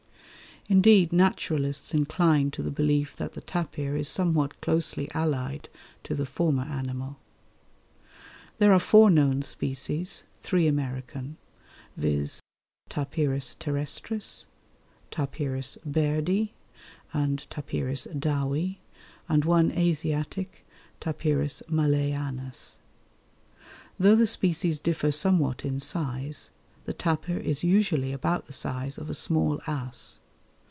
Indeed naturalists incline to the belief that the tapir is somewhat closely allied to the former animal. There are four known species, three American viz. Tapirus terrestris, T. Bairdi, and T. Dowi, and one Asiatic, T. malayanus. Though the species differ somewhat in size, the tapir is usually about the size of a small ass.